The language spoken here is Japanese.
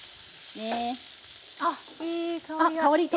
あっいい香りが。